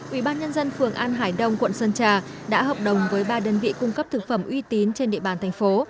ủy ban nhân dân phường an hải đông quận sơn trà đã hợp đồng với ba đơn vị cung cấp thực phẩm uy tín trên địa bàn thành phố